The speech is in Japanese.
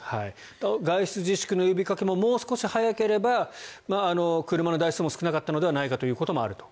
外出自粛の呼びかけももう少し早ければ車の台数も少なかったのではないかということもあると。